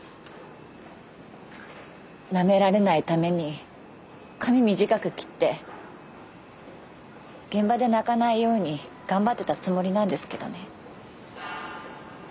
なめられないために髪短く切って現場で泣かないように頑張ってたつもりなんですけどね。